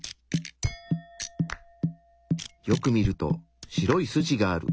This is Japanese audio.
よく見ると白い筋がある。